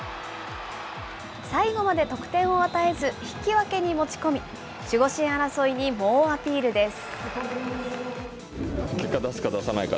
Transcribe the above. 最後まで得点を与えず引き分けに持ち込み、守護神争いに猛アピールです。